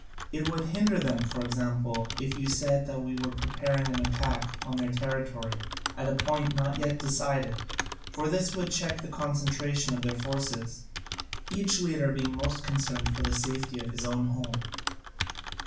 It would hinder them, for example, if you said that we were preparing an attack on their territory at a point not yet decided; for this would check the concentration of their forces, each leader being most concerned for the safety of his own home.